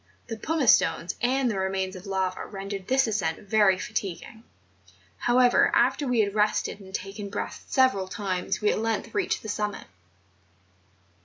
The pumice stones and the remains of lava rendered this ascent very fatiguing; however, after we had rested and taken breath several times we at length reached the summit.